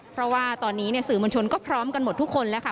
เพราะว่าตอนนี้สื่อมวลชนก็พร้อมกันหมดทุกคนแล้วค่ะ